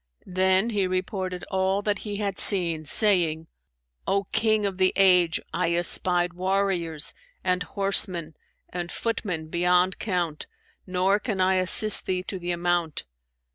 Then he reported all that he had seen, saying, 'O King of the age, I espied warriors and horsemen and footmen beyond count nor can I assist thee to the amount.'